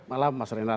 malam mas renat